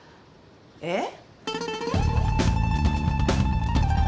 えっ？